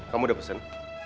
kamu udah pesen